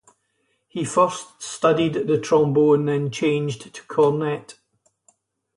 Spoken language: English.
He first studied the trombone, then changed to cornet.